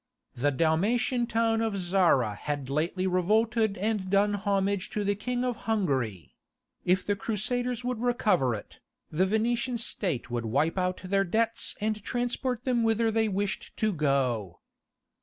The Dalmatian town of Zara had lately revolted and done homage to the King of Hungary; if the Crusaders would recover it, the Venetian state would wipe out their debts and transport them whither they wished to go.